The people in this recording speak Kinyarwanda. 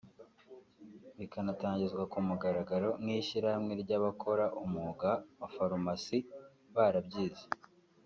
rikanatangizwa ku mugaragaro nk’ishyirahamwe ry’abakora umwuga wa Farumasi barabyize